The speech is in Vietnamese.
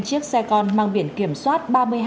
chiếc xe con mang biển kiểm soát